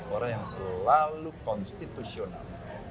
orang yang selalu konstitusional